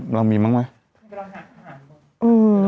เรามีมั้งไหม